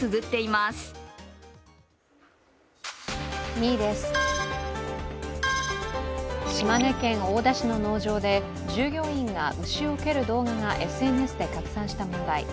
２位です、島根県大田市の農場で従業員が牛を蹴る動画がＳＮＳで拡散した問題。